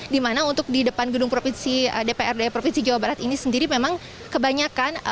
di mana untuk di depan gedung dprd provinsi jawa barat ini sendiri memang kebanyakan